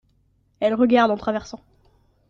Elle regarde en traversant.